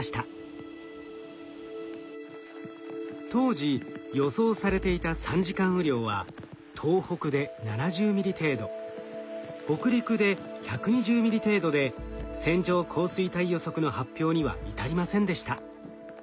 当時予想されていた３時間雨量は東北で７０ミリ程度北陸で１２０ミリ程度で線状降水帯予測の発表には至りませんでした。